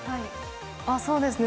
あそうですね